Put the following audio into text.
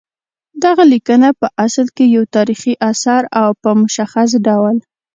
دغه لیکنه پع اصل کې یو تاریخي اثر او په مشخص ډول